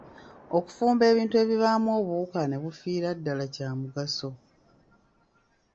Okufumba ebintu ebibaamu obuwuka ne bufiira ddala kya mugaso.